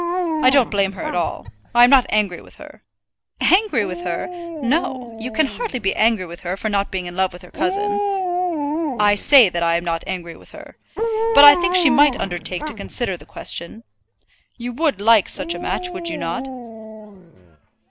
I don't blame her at all. I am not angry with her." "Angry with her! No. You can hardly be angry with her for not being in love with her cousin." "I say that I am not angry with her. But I think she might undertake to consider the question. You would like such a match, would you not?"